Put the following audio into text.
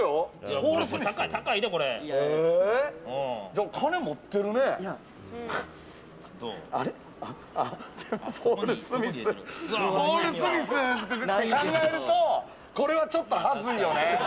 ポール・スミスやと考えるとこれはちょっと、恥ずいよね。